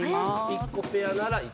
１個ペアなら１。